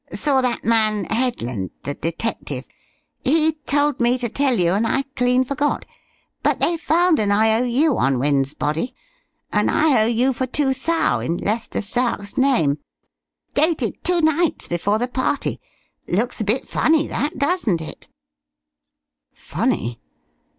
Saw that man Headland, the detective. He told me to tell you, and I clean forgot. But they found an I.O.U. on Wynne's body, an I.O.U. for two thou' in Lester Stark's name. Dated two nights before the party. Looks a bit funny, that, doesn't it?" Funny?